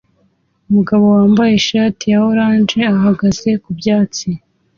Umugabo wambaye ishati ya orange ahagaze ku byatsi